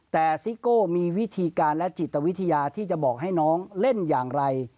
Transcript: แต่ซิโก้มีวิธีการและจิตวิทยาที่จะบอกให้น้องเล่นอย่างไร